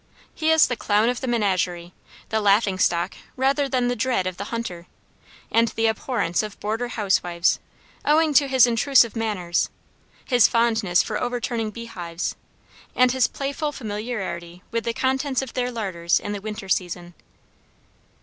He is the clown of the menagerie, the laughing stock rather than the dread of the hunter, and the abhorrence of border house wives, owing to his intrusive manners, his fondness for overturning beehives, and his playful familiarity with the contents of their larders in the winter season.